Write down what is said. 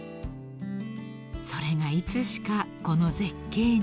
［それがいつしかこの絶景に］